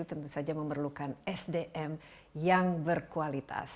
tentu saja memerlukan sdm yang berkualitas